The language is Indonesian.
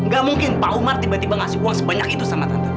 gak mungkin pak umar tiba tiba ngasih uang sebanyak itu sama tante